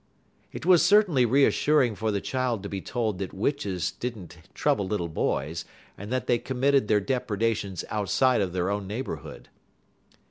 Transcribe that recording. It was certainly reassuring for the child to be told that witches did n't trouble little boys, and that they committed their depredations outside of their own neighborhood.